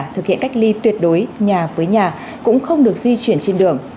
thực hiện cách ly tuyệt đối nhà với nhà cũng không được di chuyển trên đường